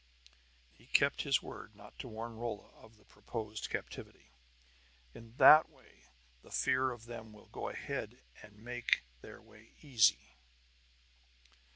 He kept his word not to warn Rolla of the proposed captivity. "In that way the fear of them will go ahead and make their way easy."